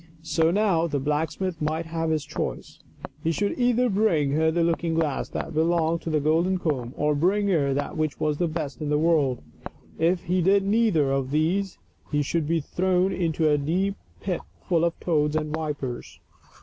So, now, the blacksmith might have his choice ; he should either bring her the looking glass that belonged to the golden comb or bring her that which was the best in all the world. If he did neither of these he should be thrown into a deep pit full of toads and vipers.